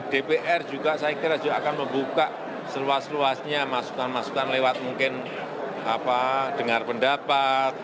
dpr juga saya kira juga akan membuka seluas luasnya masukan masukan lewat mungkin dengar pendapat